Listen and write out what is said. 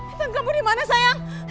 intan kamu dimana sayang